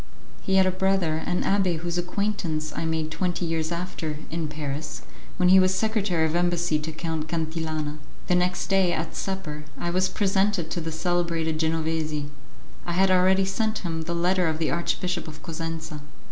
He had a brother, an abbé whose acquaintance I made twenty years after, in Paris, when he was secretary of embassy to Count Cantillana. The next day, at supper, I was presented to the celebrated Genovesi; I had already sent him the letter of the Archbishop of Cosenza.